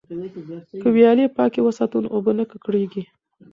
که ویالې پاکې وساتو نو اوبه نه ککړیږي.